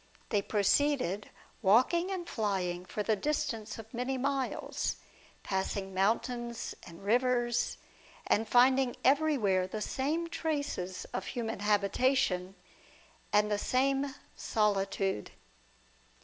They proceeded, walking and flying, for the distance of many miles, passing moun tains and rivers, and finding everywhere the same traces of human habitation, and the same solitude.